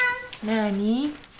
何？